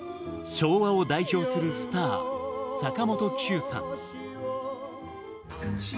昭和を代表するスター坂本九さん。